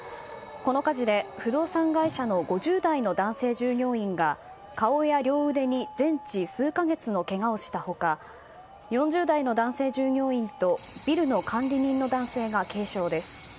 この火事で、不動産会社の５０代の男性従業員が顔や両腕に全治数か月のけがをした他４０代の男性従業員とビルの管理人の男性が軽傷です。